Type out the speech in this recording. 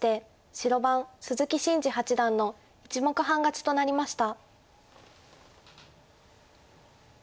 白番鈴木伸二八段の１目半勝ちとなりました。